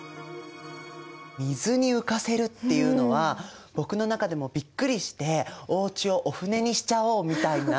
水に浮かせるっていうのは僕の中でもびっくりしておうちをお船にしちゃおうみたいな？